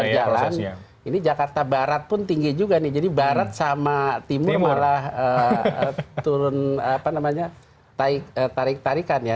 berjalan ini jakarta barat pun tinggi juga nih jadi barat sama timur malah turun apa namanya tarik tarikan ya